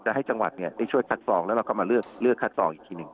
ให้จังหวัดได้ช่วยคัดซองแล้วเราก็มาเลือกคัดซองอีกทีหนึ่ง